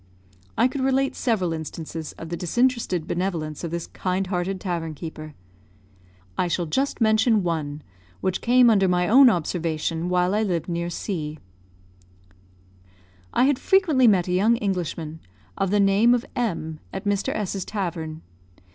I could relate several instances of the disinterested benevolence of this kind hearted tavern keeper. I shall just mention one, which came under my own observation while I lived near C . I had frequently met a young Englishman, of the name of M , at Mr. S 's tavern.